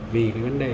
vì cái vấn đề này